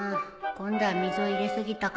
今度は水を入れ過ぎたかな。